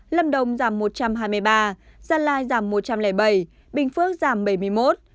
lâm đồng giảm một trăm hai mươi ba gia lai giảm một trăm linh bảy bình phước giảm bảy mươi một